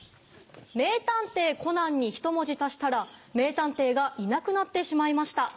『名探偵コナン』にひと文字足したら名探偵がいなくなってしまいました。